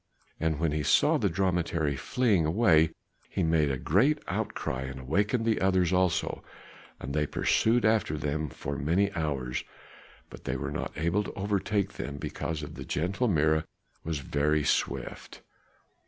And when he saw the dromedary fleeing away, he made a great outcry and awakened the others also; and they pursued after them for many hours, but they were not able to overtake them because the gentle Mirah was very swift.